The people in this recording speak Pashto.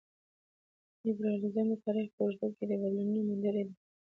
لېبرالیزم د تاریخ په اوږدو کې بدلون موندلی دی.